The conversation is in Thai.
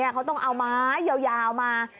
เขาต้องเอาไม้ยาวมา